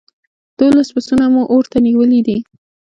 دوولس پسونه مو اور ته نيولي دي.